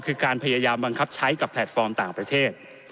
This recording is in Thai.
คือการพยายามบังคับใช้กับแพลตฟอร์มต่างประเทศ